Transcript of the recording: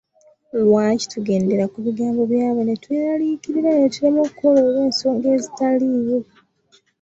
Lwaki tugendera ku bigambo by’abo ne tweraliikirira ne tulemwa okukola olw’ensonga ezitaaliwo.